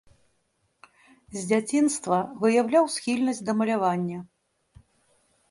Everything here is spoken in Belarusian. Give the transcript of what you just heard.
З дзяцінства выяўляў схільнасць да малявання.